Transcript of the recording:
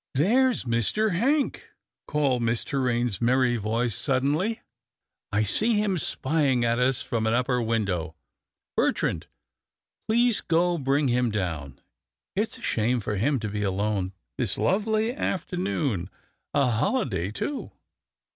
^'There's Mr. Hank," called Miss Torraine's merry voice suddenly, " I see him spying at us from an upper window. Bertrand, please go bring him down. It's a shame for him to be alone this lovely afternoon — a holiday, too."